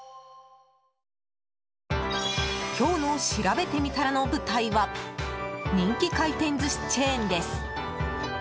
今日のしらべてみたらの舞台は人気回転寿司チェーンです。